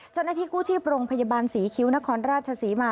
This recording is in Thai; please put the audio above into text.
เจ้าหน้าที่กู้ชีพโรงพยาบาลศรีคิ้วนครราชศรีมา